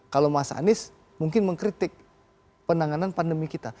kalau mas anies mungkin mengkritik penanganan pandemi kita